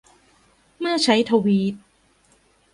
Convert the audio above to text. เมื่อใช้ทวีต